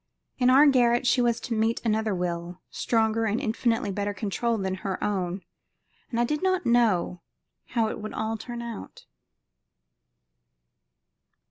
In our garret she was to meet another will, stronger and infinitely better controlled than her own, and I did not know how it would all turn out.